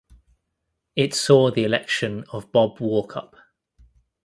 It saw the election of Bob Walkup.